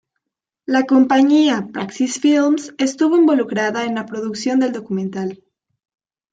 La compañía Praxis Films estuvo involucrada en la producción del documental.